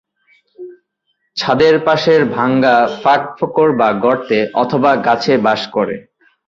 ছাদের পাশের ভাঙা ফাঁক-ফোঁকড় বা গর্তে অথবা গাছে বাস করে।